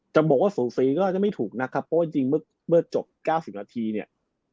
จะบอกว่าสูสีก็จะไม่ถูกนะครับเพราะว่าจริงเมื่อจบ๙๐นาทีเนี่ย